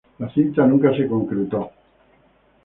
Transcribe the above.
La cinta nunca se concretó.